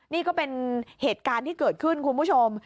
นี่ก็เป็นเหตุการณ์ที่เกิดขึ้นคุณผู้ชม